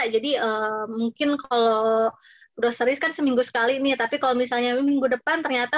jadi mungkin kalau roseris kan seminggu sekali ini tapi kalau misalnya minggu depan ternyata